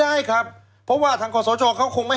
ดังนั้น